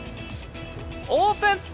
オープン！